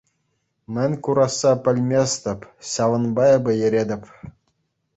Мӗн курасса пӗлместӗп, ҫавӑнпа эпӗ йӗретӗп.